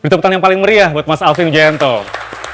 berita petang yang paling meriah buat mas alvin jentong